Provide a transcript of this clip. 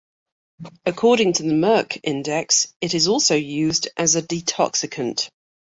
According to "The Merck Index", it is also used as a detoxicant.